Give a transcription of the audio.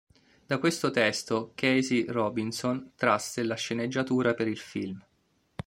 Da questo testo, Casey Robinson trasse la sceneggiatura per il film.